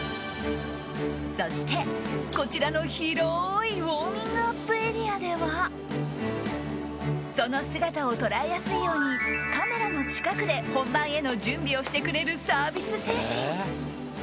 そして、こちらの広いウォーミングアップエリアではその姿を捉えやすいようにカメラの近くで本番への準備をしてくれるサービス精神！